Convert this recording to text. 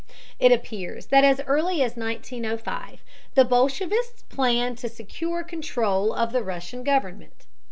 It appears that as early as 1905 the bolshevists planned to secure control of the Russian government.